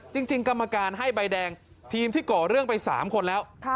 จริงกรรมการให้ใบแดงทีมที่ก่อเรื่องไป๓คนแล้ว